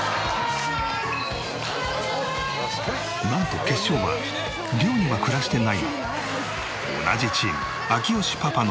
なんと決勝は寮には暮らしてないが。